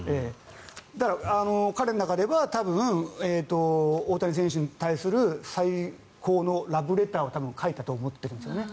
だから、彼の中では多分、大谷選手に対する最高のラブレターを書いたと思っているんですよね。